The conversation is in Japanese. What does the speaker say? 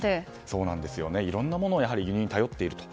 色々なものを輸入に頼っていると。